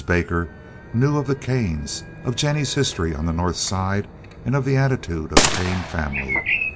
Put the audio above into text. Baker knew of the Kanes, of Jennie's history on the North Side, and of the attitude of the Kane family.